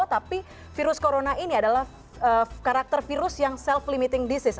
tapi virus corona ini adalah karakter virus yang self limiting disease